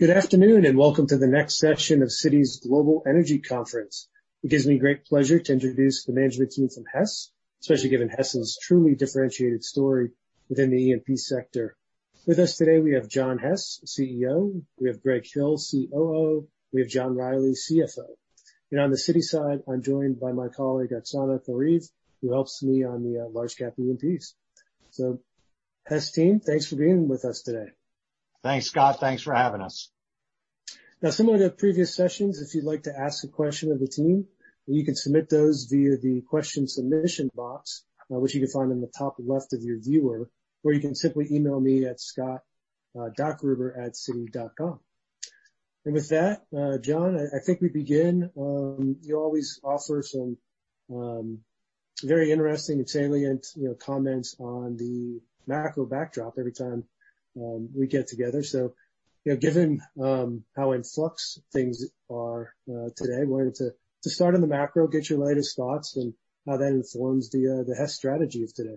Good afternoon, welcome to the next session of Citi's Global Energy Conference. It gives me great pleasure to introduce the management team from Hess, especially given Hess's truly differentiated story within the E&P sector. With us today we have John Hess, CEO. We have Greg Hill, COO. We have John Rielly, CFO. On the Citi side, I'm joined by my colleague, Oksana Khariv, who helps me on the large cap E&Ps. Hess team, thanks for being with us today. Thanks, Scott. Thanks for having us. Now, similar to previous sessions, if you'd like to ask a question of the team, you can submit those via the question submission box, which you can find in the top left of your viewer, or you can simply email me at scott.gruber@citi.com. With that, John, I think we begin. You always offer some very interesting and salient comments on the macro backdrop every time we get together. Given how in flux things are today, wanted to start on the macro, get your latest thoughts and how that influences the Hess strategies today.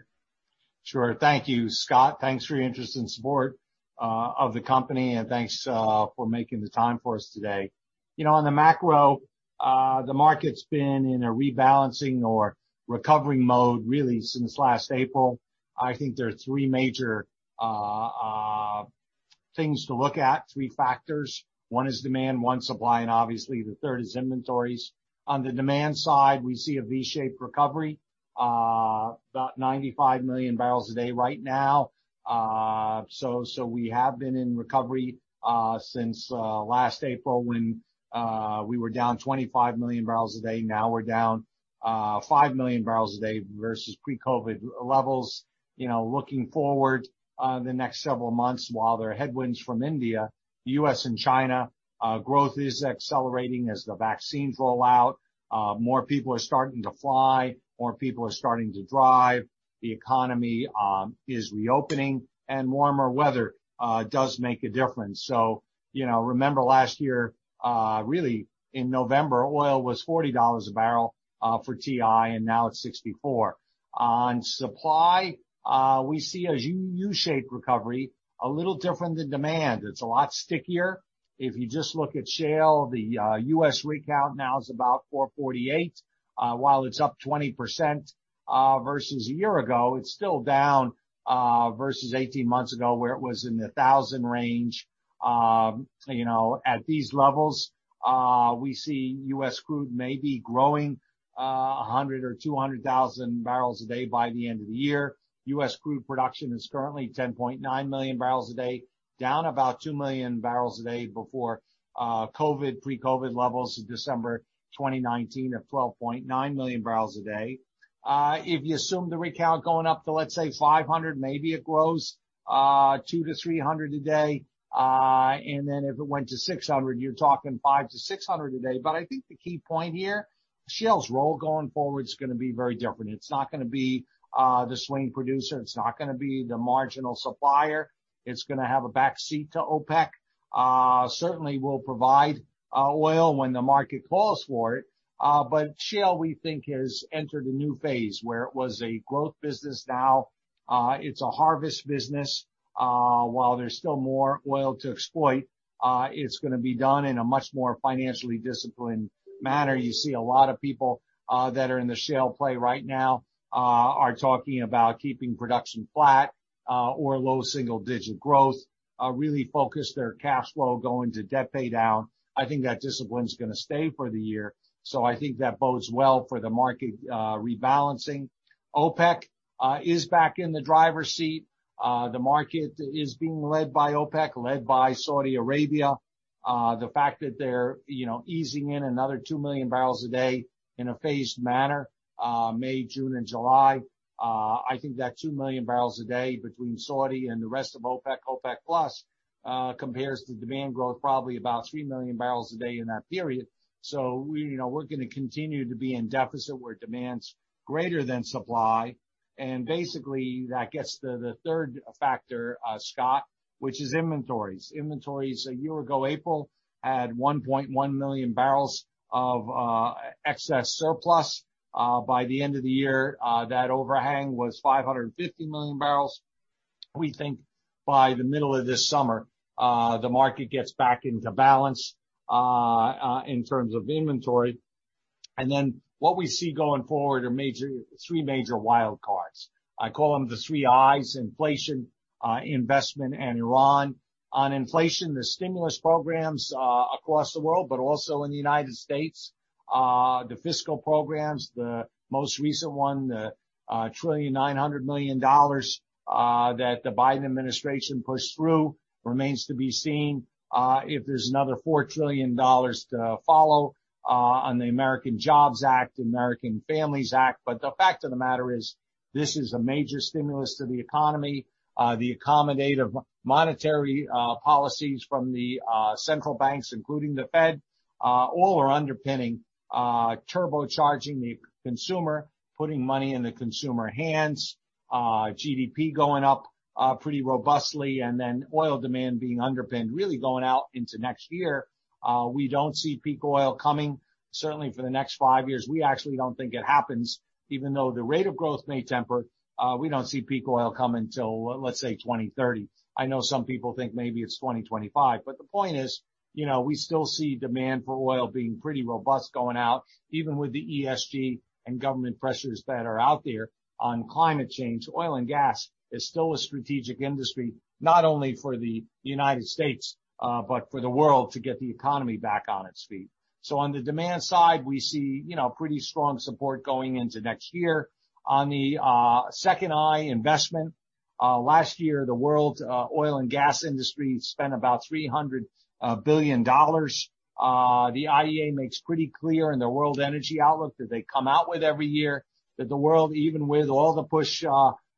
Sure. Thank you, Scott. Thanks for your interest and support of the company, and thanks for making the time for us today. On the macro, the market's been in a rebalancing or recovery mode really since last April. I think there are three major things to look at, three factors. One is demand, one supply, and obviously the third is inventories. On the demand side, we see a V-shaped recovery, about 95 million barrels a day right now. We have been in recovery since last April when we were down 25 million barrels a day. Now we're down 5 million barrels a day versus pre-COVID levels. Looking forward the next several months, while there are headwinds from India, the U.S. and China growth is accelerating as the vaccines roll out. More people are starting to fly. More people are starting to drive. The economy is reopening. Warmer weather does make a difference. Remember last year, really in November, oil was $40 a barrel for WTI, and now it's $64. On supply, we see a U-shaped recovery, a little different than demand. It's a lot stickier. If you just look at shale, the U.S. rig count now is about 448. While it's up 20% versus a year ago, it's still down versus 18 months ago, where it was in the 1,000 range. At these levels, we see U.S. crude maybe growing 100,000-200,000 barrels a day by the end of the year. U.S. crude production is currently 10.9 million barrels a day, down about 2 million barrels a day before pre-COVID levels in December 2019 of 12.9 million barrels a day. If you assume the rig count going up to, let's say, 500, maybe it grows 200,000-300,000 a day. If it went to 600, you're talking 500,000-600,000 a day. I think the key point here, shale's role going forward is going to be very different. It's not going to be the swing producer. It's not going to be the marginal supplier. It's going to have a backseat to OPEC. Certainly will provide oil when the market calls for it. Shale, we think, has entered a new phase. Where it was a growth business, now it's a harvest business. While there's still more oil to exploit, it's going to be done in a much more financially disciplined manner. You see a lot of people that are in the shale play right now are talking about keeping production flat or low single-digit growth, really focus their cash flow going to debt paydown. I think that discipline's going to stay for the year. I think that bodes well for the market rebalancing. OPEC is back in the driver's seat. The market is being led by OPEC, led by Saudi Arabia. The fact that they're easing in another 2 million barrels a day in a phased manner, May, June, and July, I think that 2 million barrels a day between Saudi and the rest of OPEC/OPEC+ compares to demand growth probably about 3 million barrels a day in that period. We're going to continue to be in deficit where demand's greater than supply. Basically, that gets to the third factor, Scott, which is inventories. Inventories a year ago April had 1.1 million barrels of excess surplus. By the end of the year, that overhang was 550 million barrels. We think by the middle of this summer, the market gets back into balance in terms of inventory. What we see going forward are three major wild cards. I call them the three I's: inflation, investment, and Iran. On inflation, the stimulus programs across the world, but also in the U.S., the fiscal programs, the most recent one, the $1.9 trillion that the Biden administration pushed through, remains to be seen if there's another $4 trillion to follow on the American Jobs Act, American Family Act. The fact of the matter is, this is a major stimulus to the economy. The accommodative monetary policies from the central banks, including the Fed, all are underpinning, turbocharging the consumer, putting money in the consumer hands. GDP going up pretty robustly, oil demand being underpinned really going out into next year. We don't see peak oil coming, certainly for the next five years. We actually don't think it happens. Even though the rate of growth may temper, we don't see peak oil come until, let's say, 2030. I know some people think maybe it's 2025, but the point is, we still see demand for oil being pretty robust going out, even with the ESG and government pressures that are out there on climate change. Oil and gas is still a strategic industry, not only for the United States, but for the world to get the economy back on its feet. On the demand side, we see pretty strong support going into next year. On the second eye investment, last year, the world's oil and gas industry spent about $300 billion. The IEA makes pretty clear in their World Energy Outlook that they come out with every year, that the world, even with all the push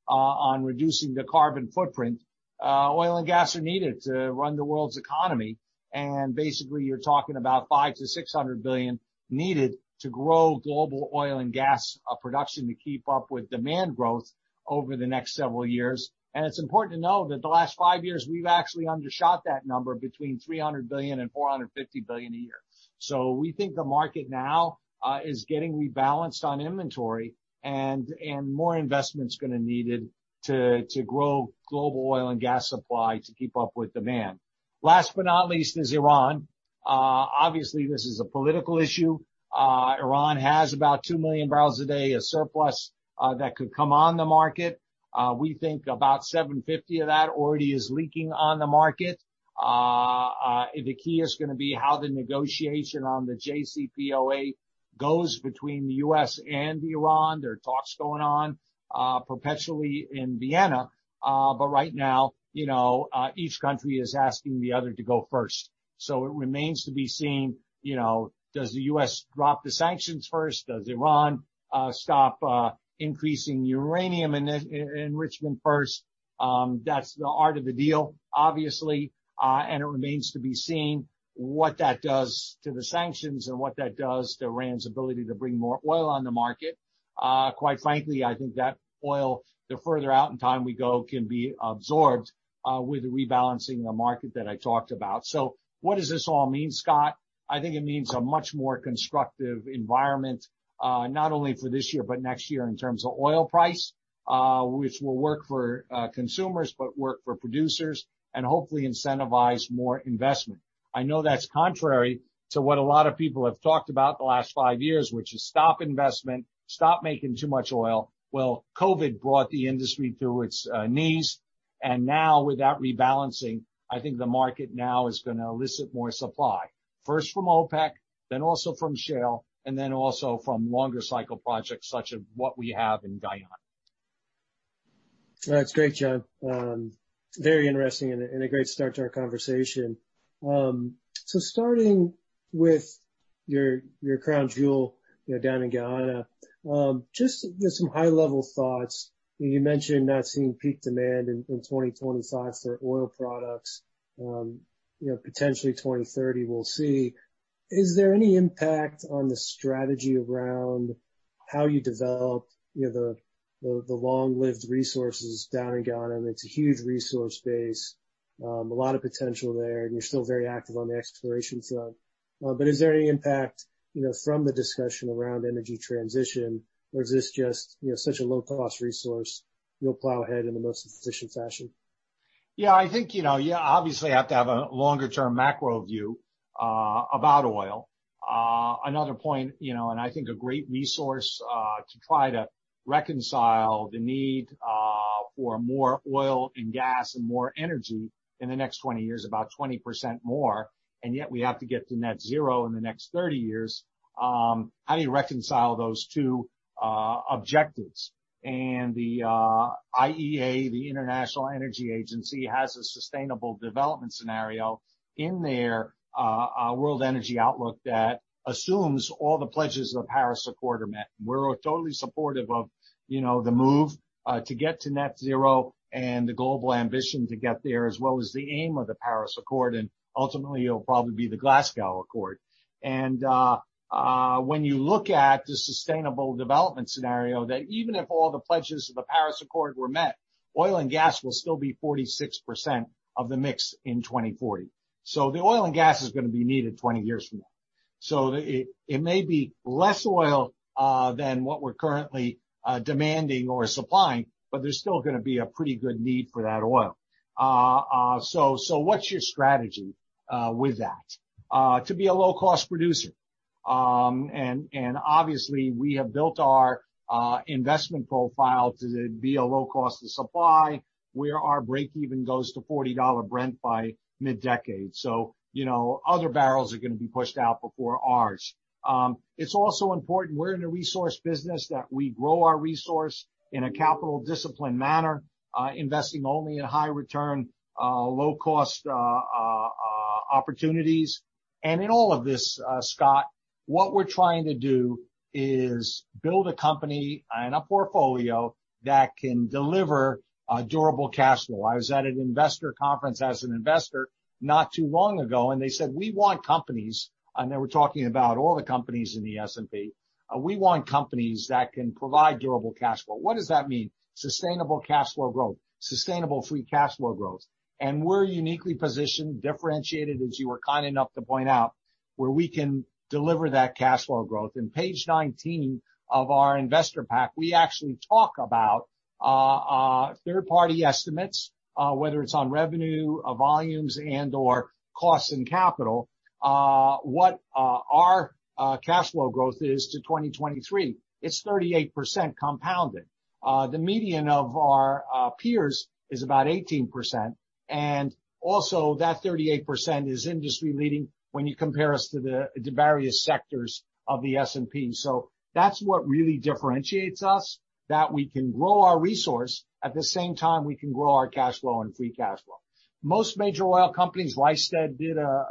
on reducing the carbon footprint, oil and gas are needed to run the world's economy. Basically, you're talking about $500 billion-$600 billion needed to grow global oil and gas production to keep up with demand growth over the next several years. It's important to know that the last five years, we've actually undershot that number between $300 billion and $450 billion a year. We think the market now is getting rebalanced on inventory and more investment is going to be needed to grow global oil and gas supply to keep up with demand. Last but not least is Iran. Obviously this is a political issue. Iran has about 2 million barrels a day, a surplus, that could come on the market. We think about 750 of that already is leaking on the market. The key is going to be how the negotiation on the JCPOA goes between the U.S. and Iran. There are talks going on perpetually in Vienna. Right now, each country is asking the other to go first. It remains to be seen, does the U.S. drop the sanctions first? Does Iran stop increasing uranium enrichment first? That's the art of the deal, obviously. It remains to be seen what that does to the sanctions and what that does to Iran's ability to bring more oil on the market. Quite frankly, I think that oil, the further out in time we go, can be absorbed with rebalancing the market that I talked about. What does this all mean, Scott? I think it means a much more constructive environment, not only for this year, but next year in terms of oil price, which will work for consumers, but work for producers and hopefully incentivize more investment. I know that's contrary to what a lot of people have talked about the last five years, which is stop investment, stop making too much oil. Well, COVID brought the industry to its knees, and now with that rebalancing, I think the market now is going to elicit more supply, first from OPEC, then also from Shale, and then also from longer cycle projects such as what we have in Guyana. That's great, John. Very interesting and a great start to our conversation. Starting with your crown jewel down in Guyana, just some high-level thoughts. You mentioned not seeing peak demand in 2025 for oil products, potentially 2030, we'll see. Is there any impact on the strategy around how you develop the long-lived resources down in Guyana? It's a huge resource base, a lot of potential there, and you're still very active on the exploration side. Is there any impact, you know, from the discussion around energy transition? Or is this just such a low-cost resource, you'll plow ahead in the most efficient fashion? Yeah. I think you obviously have to have a longer-term macro view about oil. Another point, and I think a great resource, to try to reconcile the need for more oil and gas and more energy in the next 20 years, about 20% more, and yet we have to get to net zero in the next 30 years. How do you reconcile those two objectives? The IEA, the International Energy Agency, has a sustainable development scenario in their World Energy Outlook that assumes all the pledges of the Paris Agreement are met. We're totally supportive of the move to get to net zero and the global ambition to get there, as well as the aim of the Paris Agreement. Ultimately, it'll probably be the Glasgow Climate Pact. When you look at the sustainable development scenario that even if all the pledges of the Paris Agreement were met, oil and gas will still be 46% of the mix in 2040. The oil and gas is going to be needed 20 years from now. It may be less oil than what we're currently demanding or supplying, but there's still going to be a pretty good need for that oil. What's your strategy with that? To be a low-cost producer. Obviously we have built our investment profile to be a low cost of supply, where our break-even goes to $40 Brent by mid-decade. Other barrels are going to be pushed out before ours. It's also important, we're in a resource business, that we grow our resource in a capital discipline manner, investing only in high return, low cost, opportunities. In all of this, Scott, what we're trying to do is build a company and a portfolio that can deliver durable cash flow. I was at an investor conference as an investor not too long ago, and they said, "We want companies." They were talking about all the companies in the S&P. "We want companies that can provide durable cash flow." What does that mean? Sustainable cash flow growth, sustainable free cash flow growth. We're uniquely positioned, differentiated, as you were kind enough to point out, where we can deliver that cash flow growth. In page 19 of our investor pack, we actually talk about third-party estimates, whether it's on revenue, volumes, and/or costs and capital, what our cash flow growth is to 2023. It's 38% compounded. The median of our peers is about 18%, and also that 38% is industry-leading when you compare us to the various sectors of the S&P. That's what really differentiates us, that we can grow our resource, at the same time, we can grow our cash flow and free cash flow. Most major oil companies, Rystad did a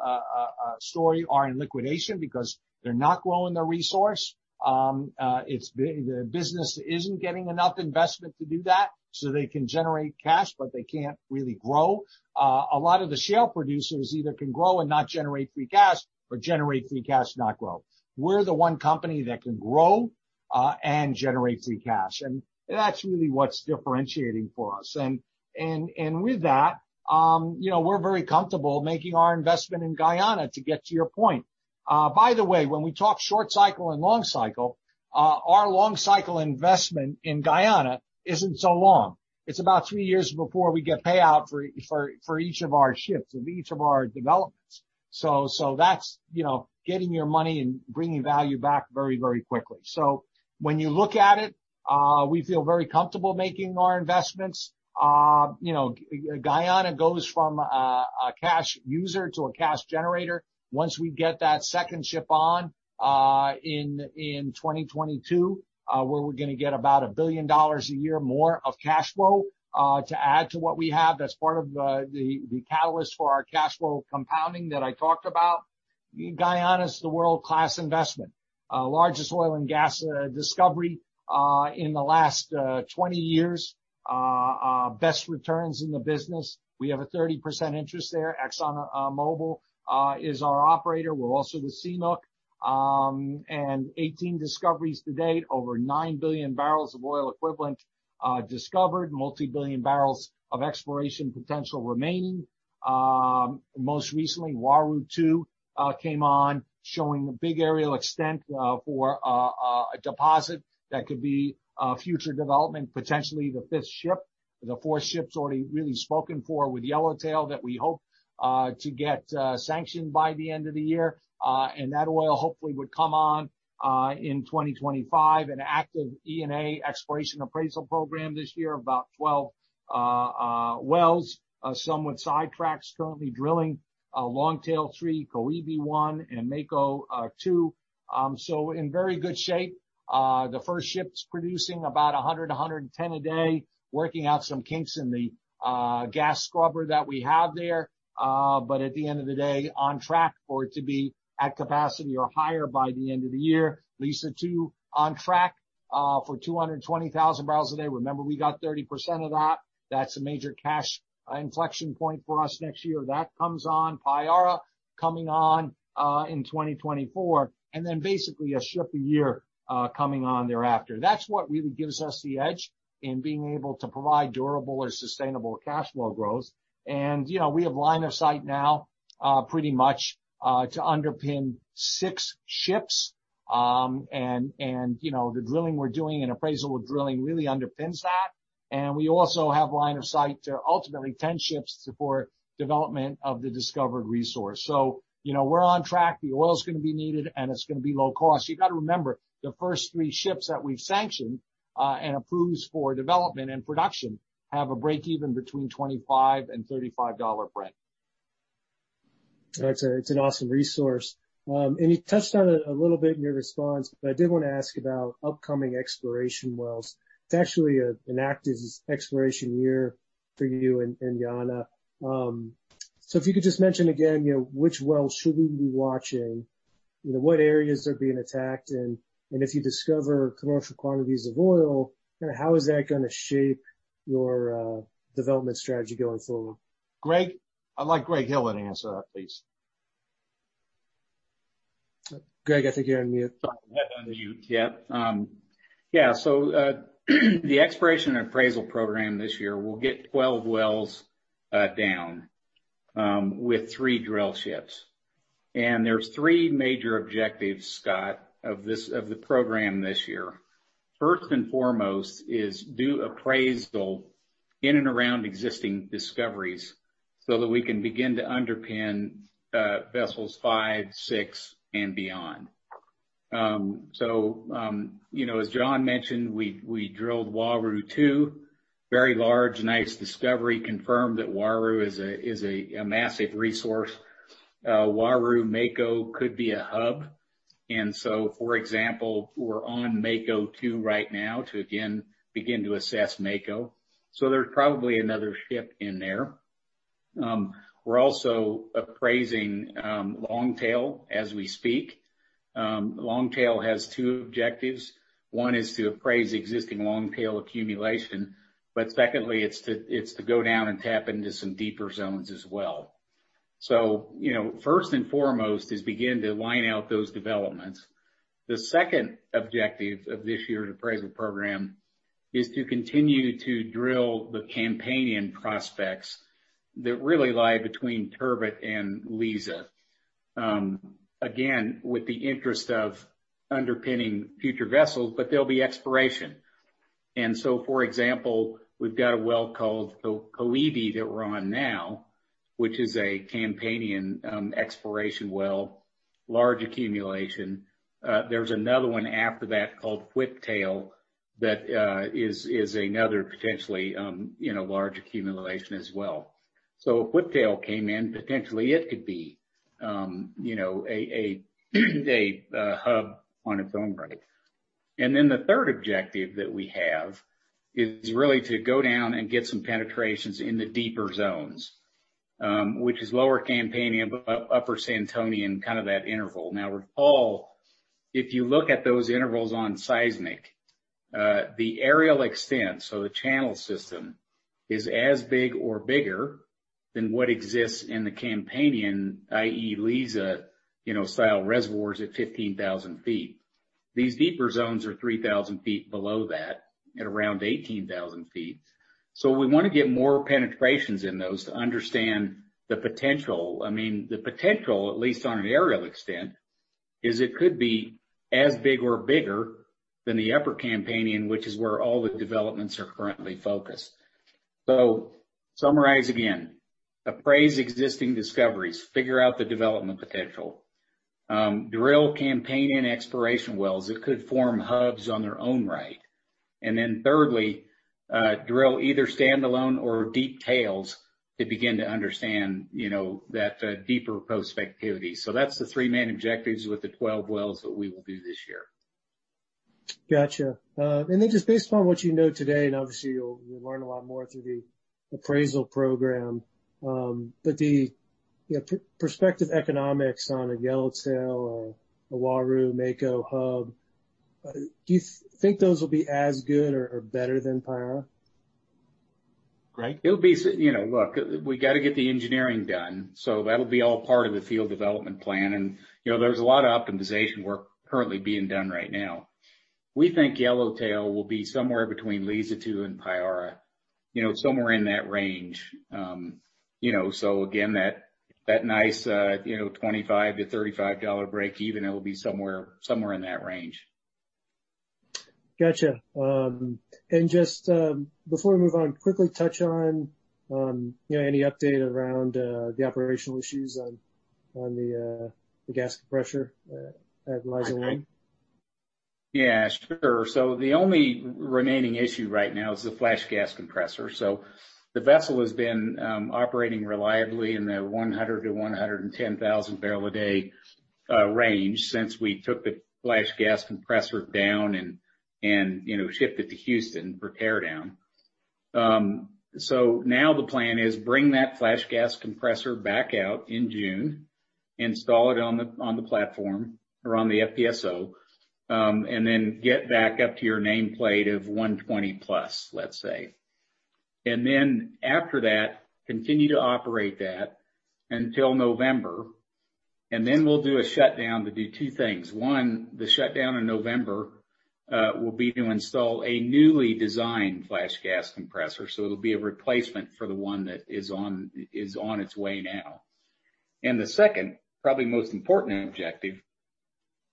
story, are in liquidation because they're not growing their resource. The business isn't getting enough investment to do that. They can generate cash, but they can't really grow. A lot of the shale producers either can grow and not generate free cash, or generate free cash and not grow. We're the one company that can grow, and generate free cash. That's really what's differentiating for us. With that, we're very comfortable making our investment in Guyana, to get to your point. By the way, when we talk short cycle and long cycle, our long cycle investment in Guyana isn't so long. It's about three years before we get payout for each of our ships and each of our developments. That's getting your money and bringing value back very quickly. When you look at it, we feel very comfortable making our investments. Guyana goes from a cash user to a cash generator once we get that second ship on in 2022, where we're going to get about $1 billion a year more of cash flow to add to what we have. That's part of the catalyst for our cash flow compounding that I talked about. Guyana's the world-class investment. Largest oil and gas discovery in the last 20 years. Best returns in the business. We have a 30% interest there. ExxonMobil is our operator. We're also with CNOOC. 18 discoveries to date. Over nine billion barrels of oil equivalent discovered. Multi-billion barrels of exploration potential remaining. Most recently, Uaru-2 came on, showing a big aerial extent for a deposit that could be a future development, potentially the fifth ship. The fourth ship's already really spoken for with Yellowtail, that we hope to get sanctioned by the end of the year. That oil hopefully would come on in 2025, an active E&A exploration appraisal program this year, about 12 wells. Some with sidetracks currently drilling Longtail-3, Koebi-1, and Mako-2. In very good shape. The first ship's producing about 100-110 a day, working out some kinks in the gas scrubber that we have there. At the end of the day, on track for it to be at capacity or higher by the end of the year. Liza-2 on track for 220,000 barrels a day. Remember, we got 30% of that. That's a major cash inflection point for us next year. That comes on. Payara coming on in 2024. Basically a ship a year coming on thereafter. That's what really gives us the edge in being able to provide durable or sustainable cash flow growth. We have line of sight now pretty much to underpin six ships. The drilling we're doing and appraisal with drilling really underpins that. We also have line of sight to ultimately 10 ships to support development of the discovered resource. We're on track. The oil's going to be needed, and it's going to be low cost. You got to remember, the first three ships that we've sanctioned and approved for development and production have a break-even between $25 and $35 dollar Brent. That's an awesome resource. You touched on it a little bit in your response, but I did want to ask about upcoming exploration wells. It's actually an active exploration year for you in Guyana. If you could just mention again, which wells should we be watching? What areas are being attacked in? If you discover commercial quantities of oil, how is that going to shape your development strategy going forward? Greg. I'd like Greg Hill to answer that, please. Greg, I think you're on mute. Sorry. I was on mute. Yep. Yeah, the exploration and appraisal program this year will get 12 wells down with three drill ships. There's three major objectives, Scott, of the program this year. First and foremost is do appraisal in and around existing discoveries so that we can begin to underpin vessels five, six, and beyond. As John mentioned, we drilled Uaru-2. Very large, nice discovery, confirmed that Uaru is a massive resource. Uaru-Mako could be a hub. For example, we're on Mako-2 right now to again begin to assess Mako. There's probably another ship in there. We're also appraising Longtail as we speak. Longtail has two objectives. One is to appraise existing Longtail accumulation, but secondly, it's to go down and tap into some deeper zones as well. First and foremost is begin to line out those developments. The second objective of this year's appraisal program is to continue to drill the Campanian prospects that really lie between Turbot and Liza. Again, with the interest of underpinning future vessels, but there'll be exploration. For example, we've got a well called Koebi-1 that we're on now, which is a Campanian exploration well, large accumulation. There's another one after that called Whiptail that is another potentially large accumulation as well. If Whiptail came in, potentially it could be a hub on its own right. Then the third objective that we have is really to go down and get some penetrations in the deeper zones which is lower Campanian, but upper Santonian, kind of that interval. Now recall, if you look at those intervals on seismic, the aerial extent, so the channel system, is as big or bigger than what exists in the Campanian, i.e., Liza style reservoirs at 15,000 ft. These deeper zones are 3,000 ft below that at around 18,000 ft. We want to get more penetrations in those to understand the potential. The potential, at least on an aerial extent, is it could be as big or bigger than the upper Campanian, which is where all the developments are currently focused. To summarize again, appraise existing discoveries, figure out the development potential. Drill Campanian exploration wells that could form hubs on their own right. Thirdly, drill either standalone or deep tails to begin to understand that deeper prospectivity. That's the three main objectives with the 12 wells that we will do this year. Got you. Just based upon what you know today, and obviously you'll learn a lot more through the appraisal program, but the prospective economics on a Yellowtail or a Uaru-Mako hub, do you think those will be as good or better than Payara? Greg? Look, we got to get the engineering done. That'll be all part of the field development plan, and there's a lot of optimization work currently being done right now. We think Yellowtail will be somewhere between Liza-2 and Payara. Somewhere in that range. Again, that nice $25-$35 breakeven, it will be somewhere in that range. Got you. Just, before we move on, quickly touch on any update around the operational issues on the gas compressor at Liza-1? Yeah, sure. The only remaining issue right now is the flash gas compressor. The vessel has been operating reliably in the 100,000-110,000 barrel a day range since we took the flash gas compressor down and shipped it to Houston for tear down. Now the plan is bring that flash gas compressor back out in June, install it on the platform or on the FPSO, then get back up to your nameplate of 120+, let's say. After that, continue to operate that until November, then we'll do a shutdown to do two things. One, the shutdown in November will be to install a newly designed flash gas compressor, so it'll be a replacement for the one that is on its way now. The second, probably most important objective,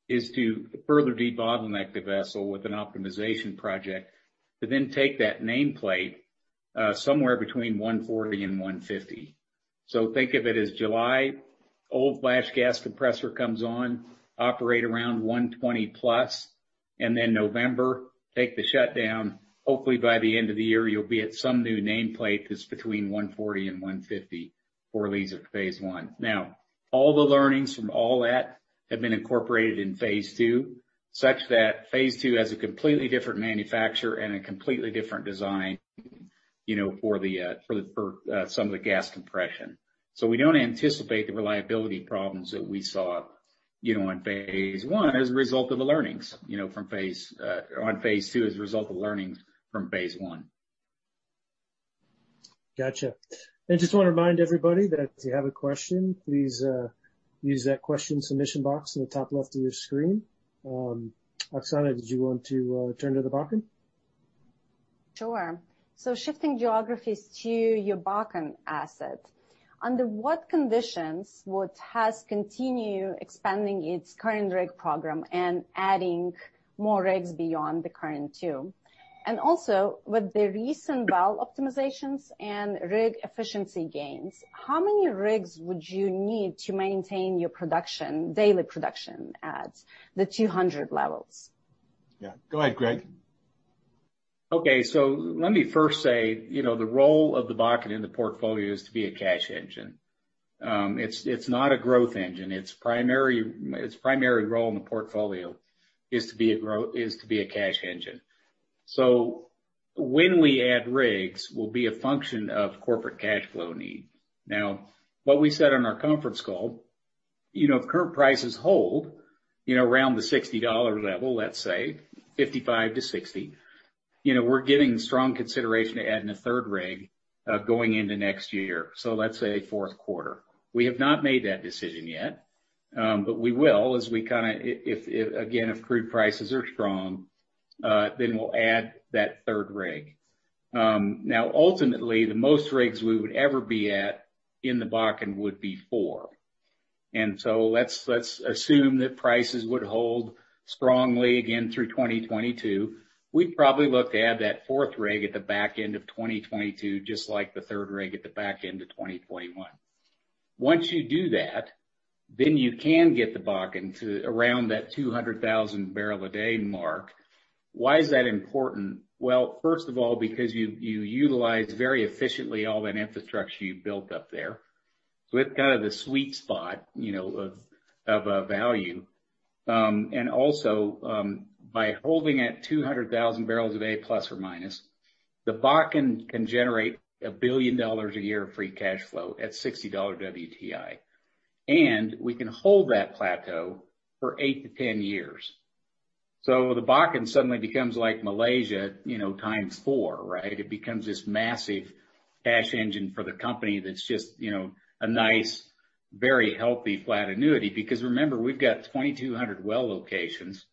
is to further debottleneck the vessel with an optimization project to then take that nameplate somewhere between 140 and 150. Think of it as July, old flash gas compressor comes on, operate around 120 plus, and then November, take the shutdown. Hopefully, by the end of the year, you'll be at some new nameplate that's between 140 and 150 for Liza phase I. All the learnings from all that have been incorporated in phase II, such that phase II has a completely different manufacturer and a completely different design for some of the gas compression. We don't anticipate the reliability problems that we saw on phase I as a result of the learnings on phase II as a result of learnings from phase I. Got you. I just want to remind everybody that if you have a question, please use that question submission box in the top left of your screen. Oksana, did you want to turn to the Bakken? Sure. Shifting geographies to your Bakken asset. Under what conditions would Hess continue expanding its current rig program and adding more rigs beyond the current two? Also, with the recent well optimizations and rig efficiency gains, how many rigs would you need to maintain your daily production at the 200 levels? Yeah. Go ahead, Greg. Okay. Let me first say, the role of the Bakken in the portfolio is to be a cash engine. It's not a growth engine. Its primary role in the portfolio is to be a cash engine. When we add rigs will be a function of corporate cash flow need. What we said on our conference call, if current prices hold around the $60 level, let's say $55-$60, we're giving strong consideration to adding a third rig going into next year. Let's say fourth quarter. We have not made that decision yet. We will again, if crude prices are strong, then we'll add that third rig. Ultimately, the most rigs we would ever be at in the Bakken would be four. Let's assume that prices would hold strongly again through 2022. We'd probably look to add that fourth rig at the back end of 2022, just like the third rig at the back end of 2021. Once you do that, then you can get the Bakken to around that 200,000 barrel a day mark. Why is that important? Well, first of all, because you utilize very efficiently all that infrastructure you built up there. It's kind of the sweet spot of a value. Also, by holding at 200,000 barrels a day, plus or minus, the Bakken can generate $1 billion a year of free cash flow at $60 WTI. We can hold that plateau for 8-10 years. The Bakken suddenly becomes like Malaysia times four, right? It becomes this massive cash engine for the company that's just a nice, very healthy flat annuity. Remember, we've got 2,200 well locations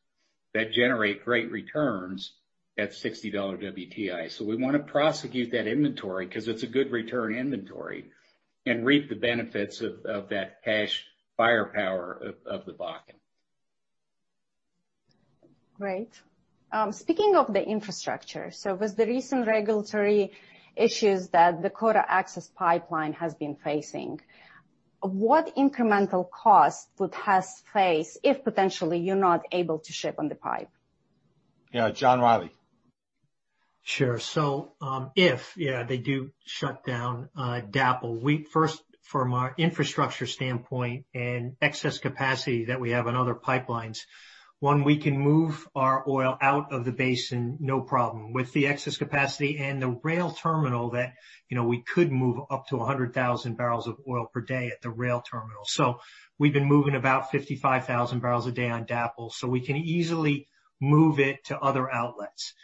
that generate great returns at $60 WTI. We want to prosecute that inventory because it's a good return inventory and reap the benefits of that cash firepower of the Bakken. Great. Speaking of the infrastructure, with the recent regulatory issues that the Dakota Access Pipeline has been facing, what incremental cost would Hess face if potentially you're not able to ship on the pipe? Yeah. John Rielly. Sure. If, yeah, they do shut down DAPL, we first, from our infrastructure standpoint and excess capacity that we have on other pipelines, one, we can move our oil out of the basin, no problem. With the excess capacity and the rail terminal that we could move up to 100,000 barrels of oil per day at the rail terminal. We've been moving about 55,000 barrels a day on DAPL, so we can easily move it to other outlets.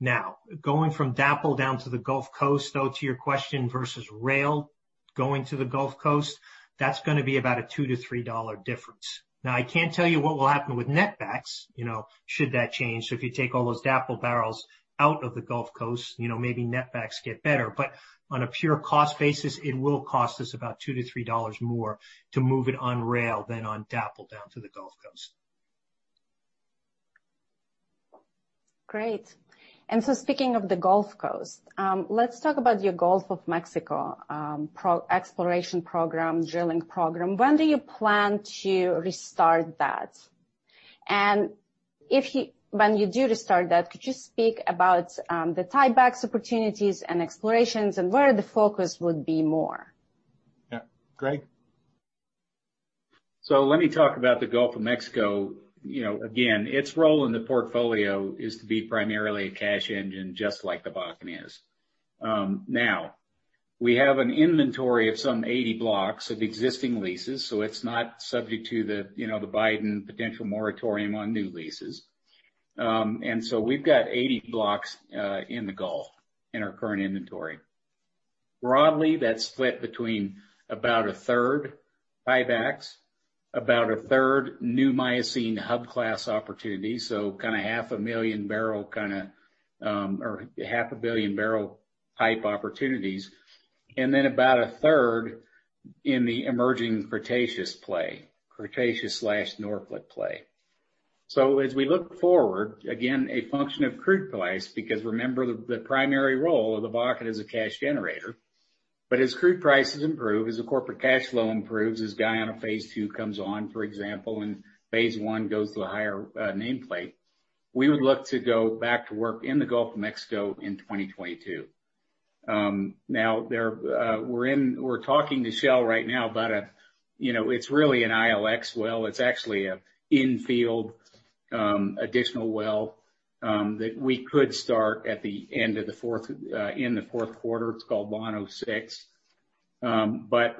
Now, going from DAPL down to the Gulf Coast, though, to your question versus rail going to the Gulf Coast, that's going to be about a $2-$3 difference. Now, I can't tell you what will happen with netbacks should that change. If you take all those DAPL barrels out of the Gulf Coast, maybe netbacks get better. On a pure cost basis, it will cost us about $2-$3 more to move it on rail than on DAPL down to the Gulf Coast. Great. Speaking of the Gulf Coast, let's talk about your Gulf of Mexico exploration program, drilling program. When do you plan to restart that? When you do restart that, could you speak about the tiebacks opportunities and explorations, and where the focus would be more? Yeah. Greg? Let me talk about the Gulf of Mexico. Again, its role in the portfolio is to be primarily a cash engine, just like the Bakken is. We have an inventory of some 80 blocks of existing leases, so it's not subject to the Biden potential moratorium on new leases. We've got 80 blocks in the Gulf in our current inventory. Broadly, that's split between about a third tiebacks, about a third new Miocene hub class opportunities. Kind of half a million barrel kind of, or half a billion barrel type opportunities. About a third in the emerging Cretaceous play. Cretaceous/Norphlet play. As we look forward, again, a function of crude price, because remember, the primary role of the Bakken is a cash generator. As crude prices improve, as the corporate cash flow improves, as Guyana phase II comes on, for example, and phase I goes to the higher nameplate, we would look to go back to work in the Gulf of Mexico in 2022. We're talking to Shell right now about a It's really an ILX well. It's actually an infield additional well that we could start at the end of the fourth quarter. It's called Llano-6.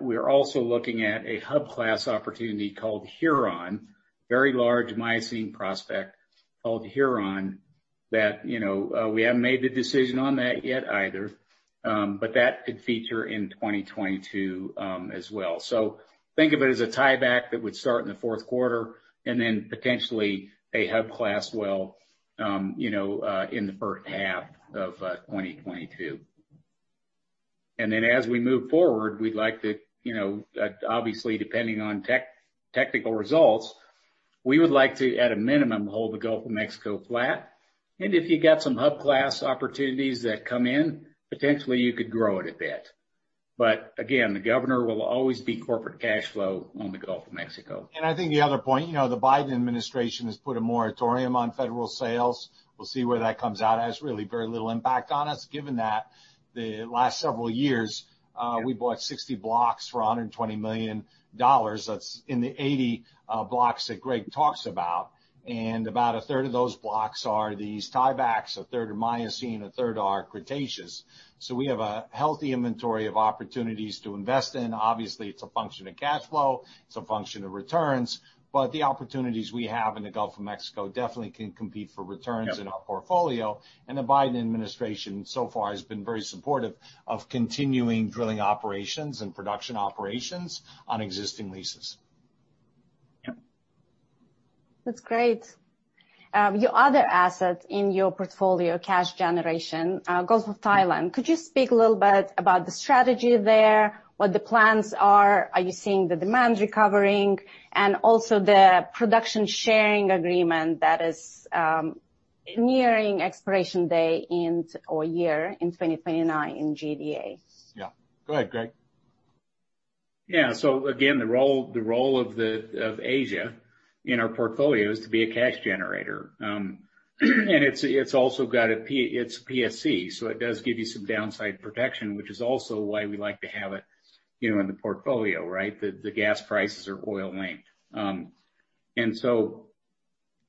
We're also looking at a hub class opportunity called Huron. Very large Miocene prospect called Huron that we haven't made the decision on that yet either. That could feature in 2022 as well. Think of it as a tieback that would start in the fourth quarter, and then potentially a hub class well in the first half of 2022. As we move forward, obviously, depending on technical results, we would like to, at a minimum, hold the Gulf of Mexico flat. If you get some hub class opportunities that come in, potentially you could grow it a bit. Again, the governor will always be corporate cash flow on the Gulf of Mexico. I think the other point, the Biden administration has put a moratorium on federal sales. We'll see where that comes out. It has really very little impact on us given that The last several years, we bought 60 blocks for $120 million. That's in the 80 blocks that Greg talks about. About a third of those blocks are these tie-backs, a third are Miocene, a third are Cretaceous. We have a healthy inventory of opportunities to invest in. Obviously, it's a function of cash flow, it's a function of returns, the opportunities we have in the Gulf of Mexico definitely can compete for returns in our portfolio. The Biden administration, so far, has been very supportive of continuing drilling operations and production operations on existing leases. Yep. That's great. Your other asset in your portfolio, cash generation, Gulf of Thailand. Could you speak a little bit about the strategy there, what the plans are? Are you seeing the demand recovering? Also the production sharing agreement that is nearing expiration day or year in 2029 in JDA. Yeah. Go ahead, Greg. Yeah. Again, the role of Asia in our portfolio is to be a cash generator. It's PSC, so it does give you some downside protection, which is also why we like to have it in the portfolio, right? The gas prices are oil linked.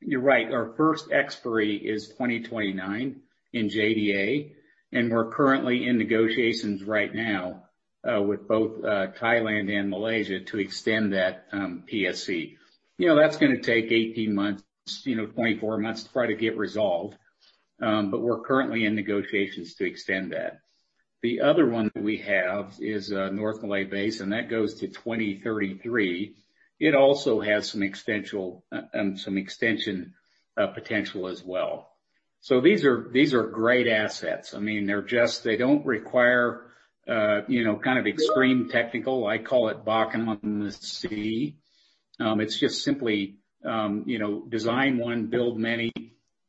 You're right, our first expiry is 2029 in JDA, and we're currently in negotiations right now, with both Thailand and Malaysia to extend that PSC. That's going to take 18 months, 24 months to try to get resolved. We're currently in negotiations to extend that. The other one that we have is North Malay Basin, and that goes to 2033. It also has some extension potential as well. These are great assets. They don't require extreme technical, I call it Bakken on the sea. It's just simply design one, build many.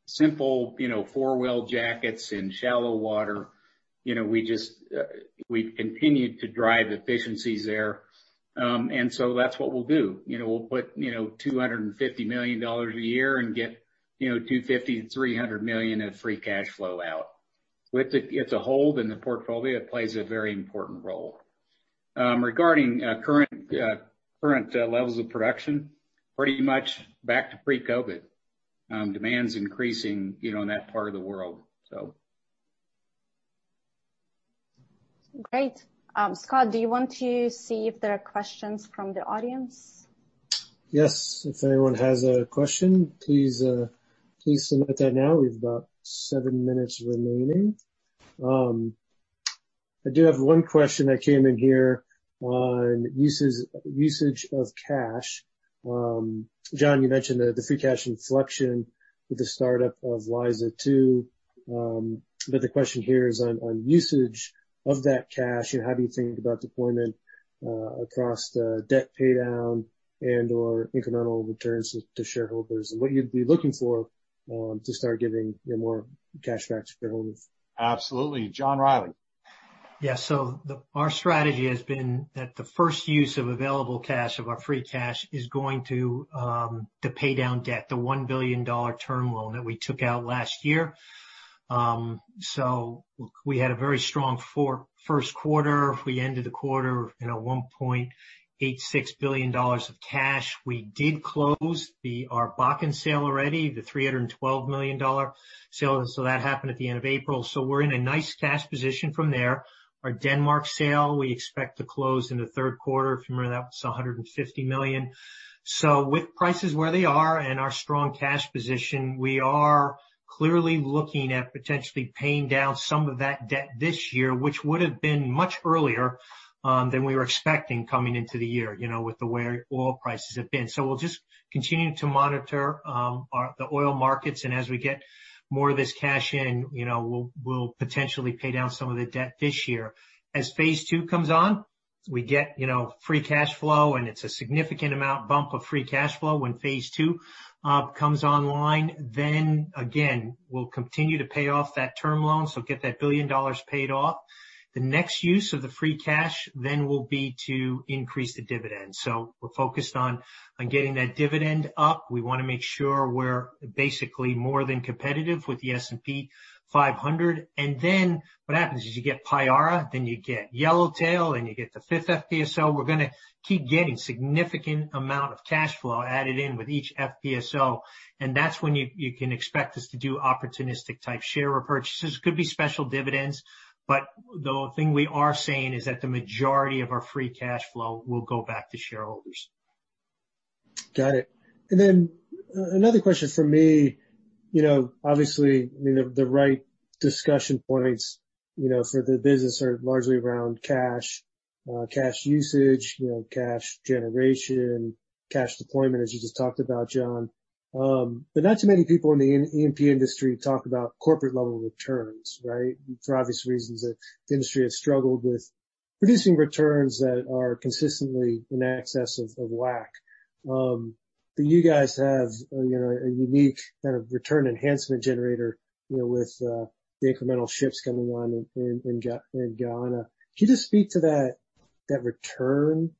Simple four-well jackets in shallow water. We've continued to drive efficiencies there. That's what we'll do. We'll put $250 million a year and get $250 million-$300 million of free cash flow out. It's a hold in the portfolio. It plays a very important role. Regarding current levels of production, pretty much back to pre-COVID. Demand's increasing in that part of the world. Great. Scott, do you want to see if there are questions from the audience? Yes. If anyone has a question, please submit that now. We've got seven minutes remaining. I do have one question that came in here on usage of cash. John, you mentioned the free cash inflection with the startup of Liza-2. The question here is on usage of that cash and how do you think about deployment across the debt paydown and/or incremental returns to shareholders, and what you'd be looking for to start giving more cash back to shareholders? Absolutely. John Rielly. Yeah. Our strategy has been that the first use of available cash of our free cash is going to pay down debt, the $1 billion term loan that we took out last year. We had a very strong first quarter. We ended the quarter $1.86 billion of cash. We did close our Bakken sale already, the $312 million sale. That happened at the end of April. We're in a nice cash position from there. Our Denmark sale, we expect to close in the third quarter. If you remember, that was $150 million. With prices where they are and our strong cash position, we are clearly looking at potentially paying down some of that debt this year, which would have been much earlier than we were expecting coming into the year, with the way oil prices have been. We'll just continue to monitor the oil markets, and as we get more of this cash in, we'll potentially pay down some of the debt this year. As phase II comes on, we get free cash flow, and it's a significant amount bump of free cash flow when phase II comes online. Again, we'll continue to pay off that term loan, get that $1 billion paid off. The next use of the free cash then will be to increase the dividend. We're focused on getting that dividend up. We want to make sure we're basically more than competitive with the S&P 500. Then what happens is you get Payara, then you get Yellowtail, and you get the fifth FPSO. We're going to keep getting significant amount of cash flow added in with each FPSO. That's when you can expect us to do opportunistic type share repurchases. Could be special dividends. The thing we are saying is that the majority of our free cash flow will go back to shareholders. Got it. Another question from me, obviously, the right discussion points for the business are largely around cash. Cash usage, cash generation, cash deployment, as you just talked about, John. Not too many people in the E&P industry talk about corporate level returns, right? For obvious reasons, the industry has struggled with producing returns that are consistently in excess of WACC. You guys have a unique kind of return enhancement generator with the incremental ships coming on in Guyana. Could you just speak to that return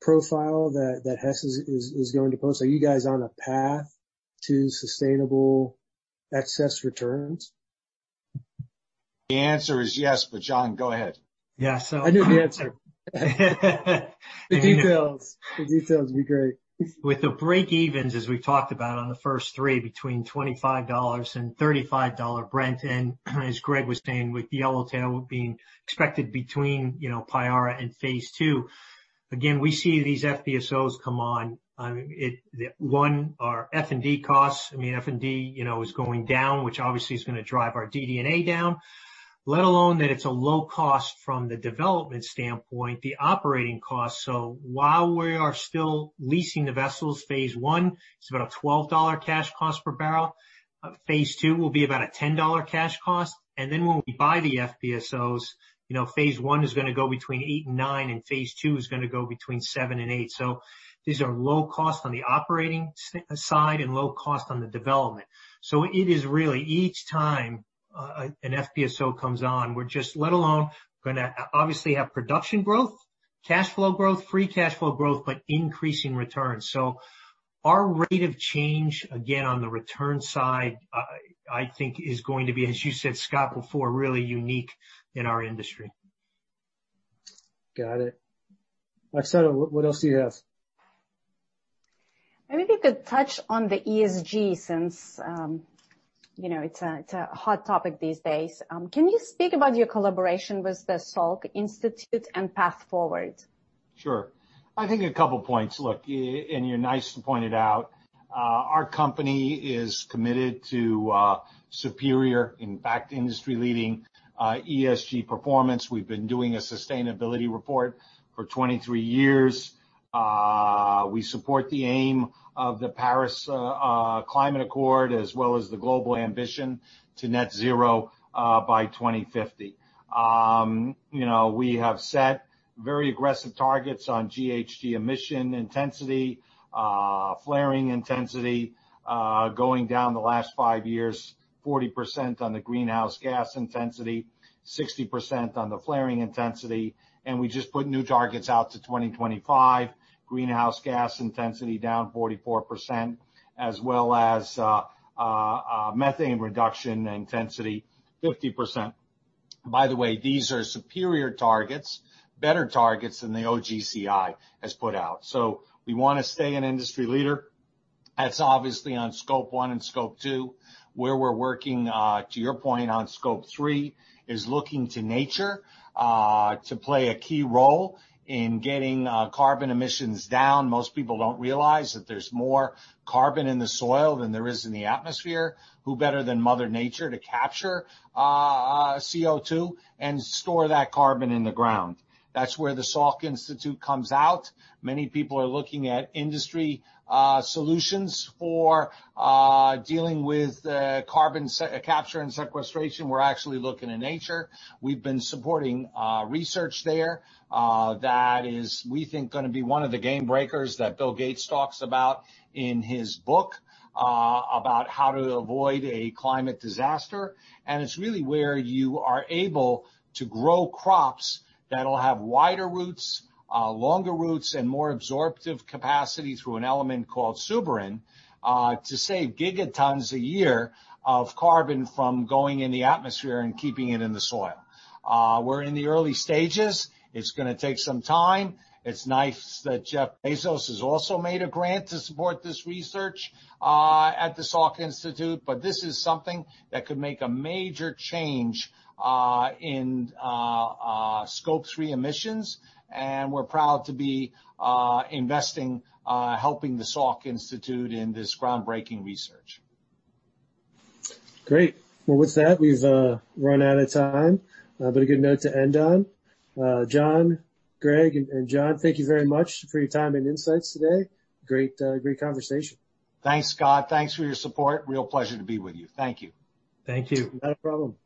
profile that Hess is going to post. Are you guys on a path to sustainable excess returns? The answer is yes, but John, go ahead. Yeah. I knew the answer. The details. The details would be great. With the breakevens, as we've talked about on the first three, between $25 and $35 Brent, as Greg was saying, with the Yellowtail being expected between Payara and phase II. We see these FPSOs come on. One, our F&D costs. F&D is going down, which obviously is going to drive our DD&A down, let alone that it's a low cost from the development standpoint, the operating cost. While we are still leasing the vessels, phase I is about a $12 cash cost per barrel. Phase II will be about a $10 cash cost. When we buy the FPSOs, phase I is going to go between $8 and $9, and phase II is going to go between $7 and $8. These are low cost on the operating side and low cost on the development. It is really each time an FPSO comes on, we're just let alone going to obviously have production growth, cash flow growth, free cash flow growth, but increasing returns. Our rate of change, again, on the return side, I think is going to be, as you said, Scott, before, really unique in our industry. Got it. Oksana, what else do you have? You could touch on the ESG since it's a hot topic these days. Can you speak about your collaboration with the Salk Institute and path forward? Sure. I think a couple points. Look, you nicely pointed out. Our company is committed to superior, in fact, industry-leading ESG performance. We've been doing a sustainability report for 23 years. We support the aim of the Paris Agreement, as well as the global ambition to net zero by 2050. We have set very aggressive targets on GHG emission intensity, flaring intensity, going down the last five years, 40% on the greenhouse gas intensity, 60% on the flaring intensity. We just put new targets out to 2025. Greenhouse gas intensity down 44%, as well as methane reduction intensity 50%. By the way, these are superior targets, better targets than the OGCI has put out. So we want to stay an industry leader. That's obviously on scope one and scope two, where we're working, to your point on scope three, is looking to nature to play a key role in getting carbon emissions down. Most people don't realize that there's more carbon in the soil than there is in the atmosphere. Who better than Mother Nature to capture CO2 and store that carbon in the ground? That's where the Salk Institute comes out. Many people are looking at industry solutions for dealing with carbon capture and sequestration. We're actually looking to nature. We've been supporting research there that is, we think, going to be one of the game breakers that Bill Gates talks about in his book, about how to avoid a climate disaster. It's really where you are able to grow crops that'll have wider roots, longer roots, and more absorptive capacity through an element called suberin, to save gigatons a year of carbon from going in the atmosphere and keeping it in the soil. We're in the early stages. It's going to take some time. It's nice that Jeff Bezos has also made a grant to support this research at the Salk Institute. This is something that could make a major change in scope three emissions, and we're proud to be investing, helping the Salk Institute in this groundbreaking research. Great. Well, with that, we've run out of time. A good note to end on. John, Greg, and John, thank you very much for your time and insights today. Great conversation. Thanks, Scott. Thanks for your support. Real pleasure to be with you. Thank you. Thank you. Not a problem.